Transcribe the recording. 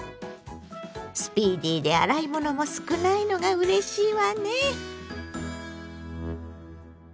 スピーディーで洗い物も少ないのがうれしいわね。